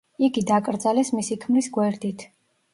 იგი დაკრძალეს მისი ქმრის გვერდით.